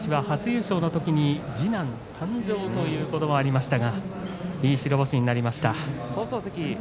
初優勝のときに次男が誕生ということもありましたがいい白星になりました。